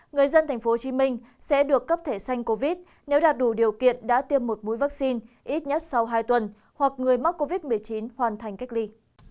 người dân tp hcm sẽ được cấp thẻ xanh covid nếu đạt đủ điều kiện đã tiêm một mũi vaccine ít nhất sau hai tuần hoặc người mắc covid một mươi chín hoàn thành cách ly